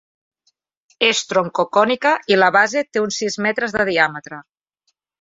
És troncocònica i la base té uns sis metres de diàmetre.